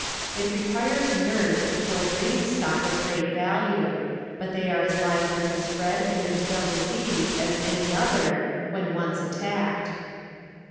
It requires nerve to kill breeding stock of great value, but they are as liable to spread and entail disease as any other, when once attacked.